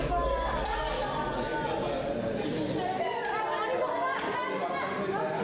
tidak ada masalah